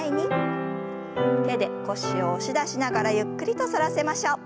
手で腰を押し出しながらゆっくりと反らせましょう。